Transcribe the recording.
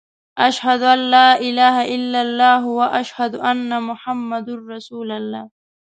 اشهد ان لا اله الا الله و اشهد ان محمد رسول الله.